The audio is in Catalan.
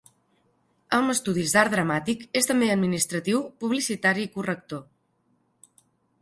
Amb estudis d'art dramàtic, és també administratiu, publicitari i corrector.